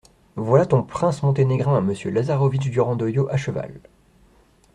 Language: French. Voilà ton prince monténégrin, Monsieur Lazarowitch Durandoio à cheval !